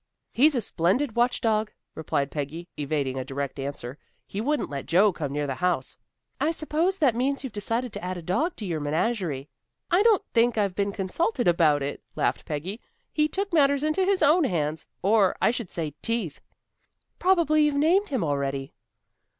"He's a splendid watch dog," replied Peggy, evading a direct answer. "He wouldn't let Joe come near the house." "I suppose that means you've decided to add a dog to your menagerie." "I don't think I've been consulted about it," laughed Peggy. "He took matters into his own hands, or, I should say, teeth." "Probably you've named him already."